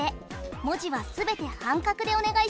文字は全て半角でお願いします。